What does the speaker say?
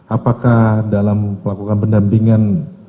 apakah dalam pelakukan pendampingan